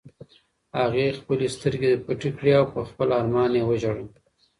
هغې خپلې سترګې پټې کړې او په خپل ارمان یې وژړل.